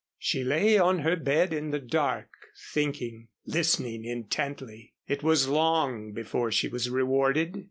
She lay on her bed in the dark thinking, listening intently. It was long before she was rewarded.